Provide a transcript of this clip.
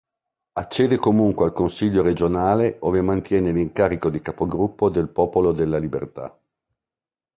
Accede comunque al consiglio regionale, ove mantiene l'incarico di capogruppo del Popolo della Libertà.